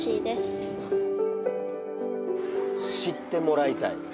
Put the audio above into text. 知ってもらいたい。